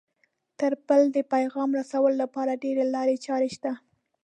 تر بل د پیغام رسولو لپاره ډېرې لارې چارې شته